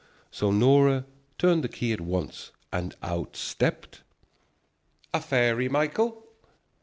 So Nora turned the key at once, and out stepped " "A fairy, Michael?"